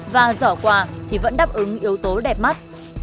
và giỏ quà thì vẫn đáp ứng yếu tố đẹp mắt